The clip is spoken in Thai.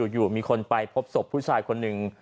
อยู่มีคนไปพบศพผู้ชายคนหนึ่ง